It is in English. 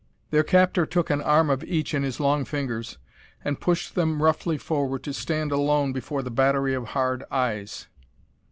Their captor took an arm of each in his long fingers and pushed them roughly forward to stand alone before the battery of hard eyes.